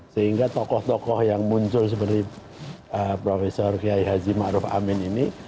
sehingga tokoh tokoh yang muncul seperti prof yai haji ma'ruf amin ini